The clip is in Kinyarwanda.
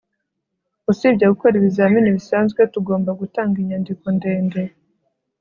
usibye gukora ibizamini bisanzwe, tugomba gutanga inyandiko ndende